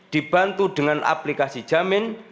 dibantu dengan aplikasi jamin